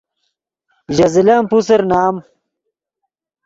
ژے زلن پوسر نام